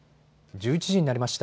１１時になりました。